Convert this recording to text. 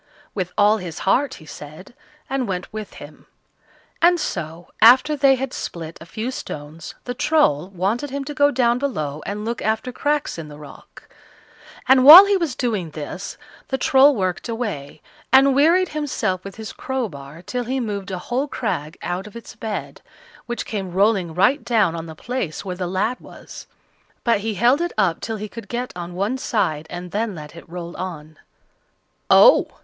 With all his heart, he said, and went with him; and so, after they had split a few stones, the Troll wanted him to go down below and look after cracks in the rock; and while he was doing this the Troll worked away, and wearied himself with his crowbar till he moved a whole crag out of its bed, which came rolling right down on the place where the lad was; but he held it up till he could get on one side, and then let it roll on. "Oh!"